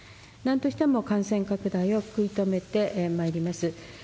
なんとしても感染拡大を食い止めてまいります。